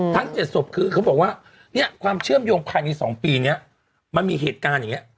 ๗ศพคือเขาบอกว่าเนี่ยความเชื่อมโยงภายใน๒ปีนี้มันมีเหตุการณ์อย่างนี้